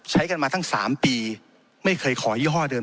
ใช้กันมาทั้ง๓ปีไม่เคยขอยี่ห้อเดิม